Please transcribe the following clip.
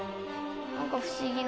何か不思議な。